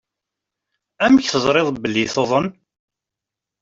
Amek teẓriḍ belli tuḍen?